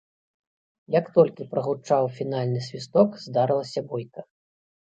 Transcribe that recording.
Як толькі прагучаў фінальны свісток, здарылася бойка.